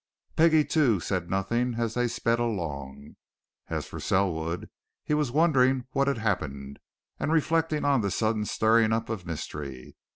Peggie, too, said nothing as they sped along; as for Selwood, he was wondering what had happened, and reflecting on this sudden stirring up of mystery.